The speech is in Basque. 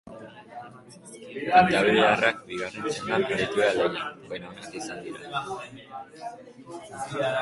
Kantabriarrak bigarren txandan aritu dira lehian, baina onenak izan dira.